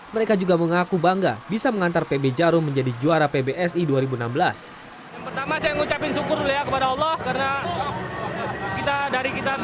mereka juga mengaku bangga bisa mengantar pb jarum menjadi juara pbm